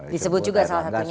disebut juga salah satunya